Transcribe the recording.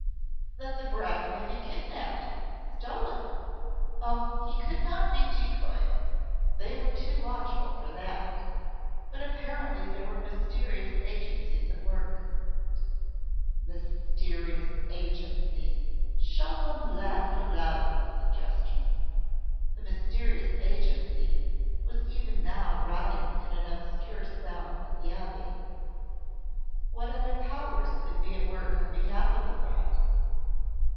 That the brat may be kidnapped ... stolen. Oh! he could not be decoyed ... they were too watchful for that! But apparently there were mysterious agencies at work.... "Mysterious agencies!" Chauvelin laughed aloud at the suggestion. The "mysterious agency" was even now rotting in an obscure cell at the Abbaye. What other powers could be at work on behalf of the brat?